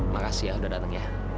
makasih ya udah dateng ya